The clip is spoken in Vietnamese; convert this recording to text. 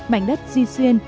mảnh đất duy xuyên